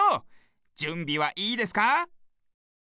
じゅんびはいいですか？